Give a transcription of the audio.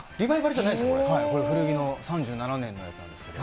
はい、３７年のやつなんですけど。